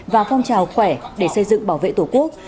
và phong trào khỏe để xây dựng bảo vệ tổ quốc